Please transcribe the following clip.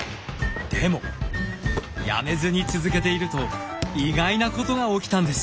でもやめずに続けていると意外なことが起きたんです。